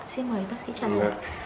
xin mời bác sĩ trả lời